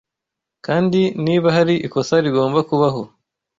Kandi niba hari ikosa rigomba kubaho,